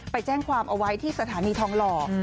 ไปแจ้งความเอาไว้ที่สถานีทองหล่อ